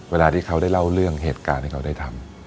เวลาที่เขาได้เล่าเรื่องเหตุการณ์ให้เขาได้ทำ